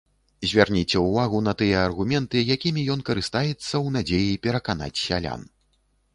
Звярніце ўвагу на тыя аргументы, якімі ён карыстаецца ў надзеі пераканаць сялян.